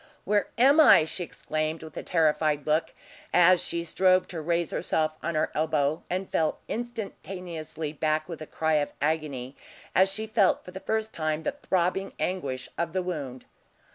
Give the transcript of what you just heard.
"Where am I?" she exclaimed, with a terrified look, as she strove to raise herself on her elbow, and fell instantaneously back with a cry of agony, as she felt for the first time the throbbing anguish of the wound.